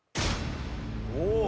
おお。